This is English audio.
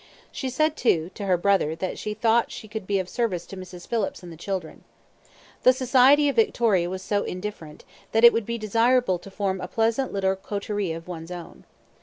She said, too, to her brother, that she thought she could be of service to Mrs. Phillips and the children. The society of Victoria was so indifferent, that it would be desirable to form a pleasant little coterie of one's own.